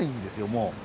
もう。